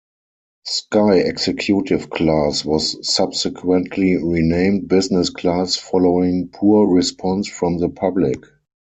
Sky Executive Class was subsequently renamed Business Class following poor response from the public.